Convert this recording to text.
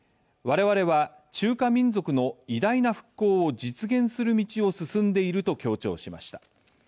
我々は中華民族の偉大な復興を実現する道を進んでいると強調しました。